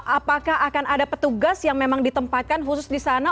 apakah akan ada petugas yang memang ditempatkan khusus di sana